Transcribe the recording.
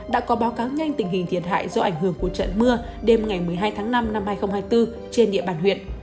đã có báo cáo nhanh tình hình thiệt hại do ảnh hưởng của trận mưa đêm ngày một mươi hai tháng năm năm hai nghìn hai mươi bốn trên địa bàn huyện